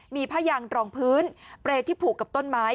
มีผ้ายางรองพื้นเปรย์ที่ผูกกับต้นไม้